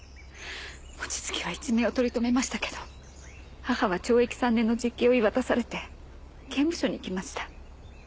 望月は一命を取り留めましたけど母は懲役３年の実刑を言い渡されて刑務所に行きました。